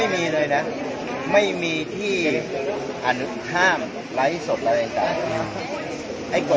สวัสดีครับพี่เบนสวัสดีครับ